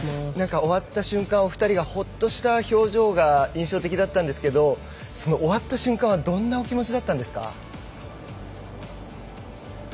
終わった瞬間お二人がほっとした表情が印象的だったんですけどその終わった瞬間はどんなお気持ちだったんですか。